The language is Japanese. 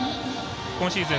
今シーズン